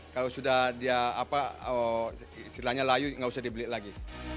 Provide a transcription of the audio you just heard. kalau sudah dia layu tidak usah dibeli lagi